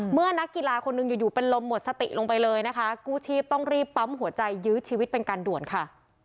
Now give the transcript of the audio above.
นักกีฬาคนหนึ่งอยู่อยู่เป็นลมหมดสติลงไปเลยนะคะกู้ชีพต้องรีบปั๊มหัวใจยื้อชีวิตเป็นการด่วนค่ะ